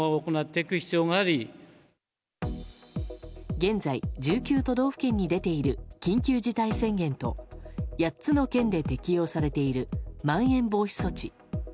現在、１９都道府県に出ている緊急事態宣言と８つの県で適用されているまん延防止措置。